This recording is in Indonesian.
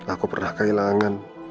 aku pernah kehilangan